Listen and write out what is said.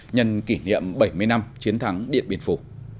nhân kỷ niệm bảy mươi năm chiến thắng điện biên phủ